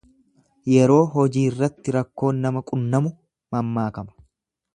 Yeroo hojiirratti rakkoon nama qunnamu mammaakama.